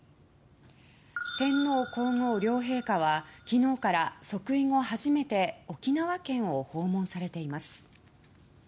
天皇・皇后両陛下は昨日から、即位後初めて沖縄県を訪問されています。